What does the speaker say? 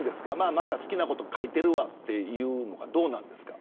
また好きなこと書いているわと思うんですかどうですか。